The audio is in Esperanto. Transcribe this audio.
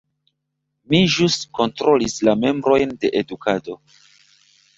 Mi ĵus kontrolis la membrojn de edukado.